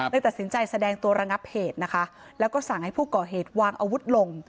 ตัดสินใจแสดงตัวระงับเหตุนะคะแล้วก็สั่งให้ผู้ก่อเหตุวางอาวุธลง